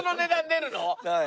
はい。